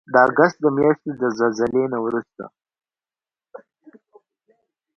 د اګست د میاشتې د زلزلې نه وروسته